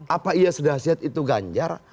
apa iya sedah sihat itu ganjar